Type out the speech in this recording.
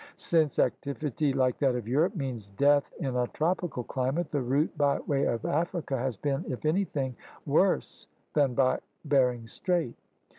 Since activity like that of Europe means death in a tropical climate, the route by way of Africa has been if anything worse than by Bering Strait.